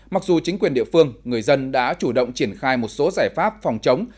mặc dù chính quyền địa phương người dân đã chủ động triển khai một số giải pháp phòng chống